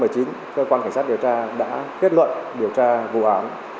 cơ quan cảnh sát điều tra đã kết luận điều tra vụ án